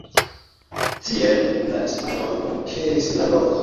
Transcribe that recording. Tiele la hispanoj konkeris la lokon.